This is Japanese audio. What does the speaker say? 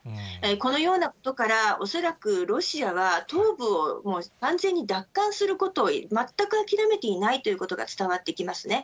このようなことから、恐らくロシアは、東部をもう完全に奪還することを全く諦めていないということが伝わってきますね。